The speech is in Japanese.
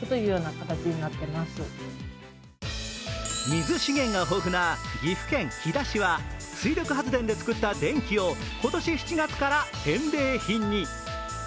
水資源が豊富な岐阜県飛騨市は水力発電で作った電気を今年７月から返礼品に。